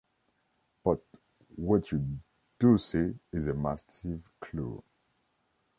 But what you do see is a massive clue...